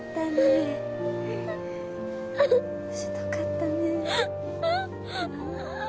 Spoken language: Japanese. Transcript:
しんどかったね。